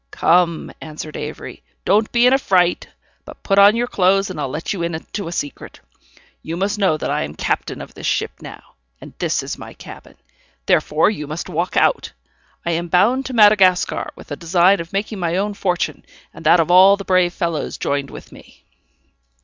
"Come," answered Avery, "don't be in a fright, but put on your clothes, and I'll let you into a secret. You must know that I am captain of this ship now, and this is my cabin, therefore you must walk out; I am bound to Madagascar, with a design of making my own fortune, and that of all the brave fellows joined with me."